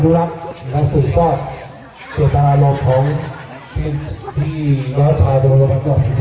อนุรักษ์นักศึกศาสตร์เดี๋ยวตลาดหลอดของเพียงพี่แล้วชาวโดรนักศึกฤทธิ์